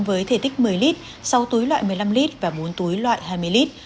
với thể tích một mươi lít sáu túi loại một mươi năm lít và bốn túi loại hai mươi lít